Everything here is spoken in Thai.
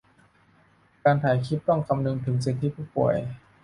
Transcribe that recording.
การถ่ายคลิปต้องคำนึงถึงสิทธิผู้ป่วย